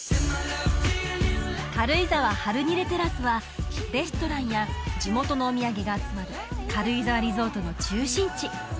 軽井沢ハルニレテラスはレストランや地元のお土産が集まる軽井沢リゾートの中心地